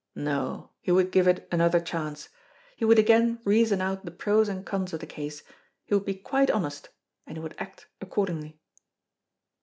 No, he would give it another chance. He would again reason out the pros and cons of the case, he would be quite honest, and he would act accordingly.